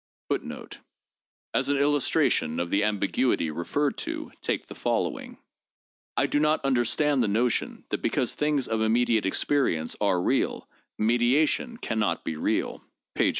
No. 1. 4 As an illustration of the ambiguity referred to, take the following: "I do not understand the notion that because things of immediate experience are real, mediation can not be real " (p.